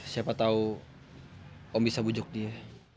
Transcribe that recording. siapa tahu om bisa bujuk dia